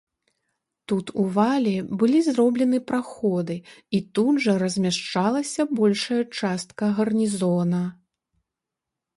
Тут у вале былі зроблены праходы, і тут жа размяшчалася большая частка гарнізона.